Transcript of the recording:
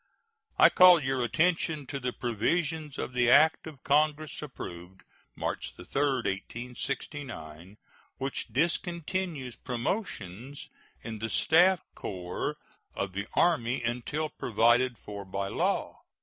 I call your attention to the provisions of the act of Congress approved March 3, 1869, which discontinues promotions in the staff corps of the Army until provided for by law.